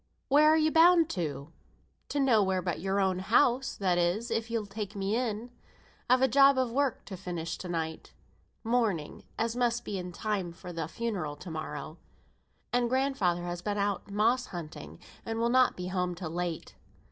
Where are you bound to?" "To nowhere but your own house (that is, if you'll take me in). I've a job of work to finish to night; mourning, as must be in time for the funeral to morrow; and grandfather has been out moss hunting, and will not be home till late."